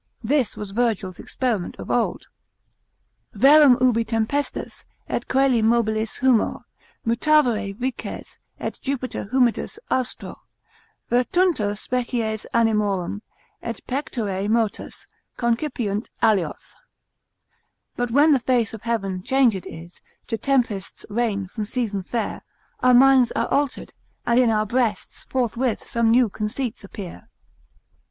This was Virgil's experiment of old, Verum ubi tempestas, et coeli mobilis humor Mutavere vices, et Jupiter humidus Austro, Vertuntur species animorum, et pectore motus Concipiunt alios——— But when the face of Heaven changed is To tempests, rain, from season fair: Our minds are altered, and in our breasts Forthwith some new conceits appear.